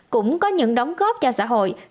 cũng có những đóng góp cho xã hội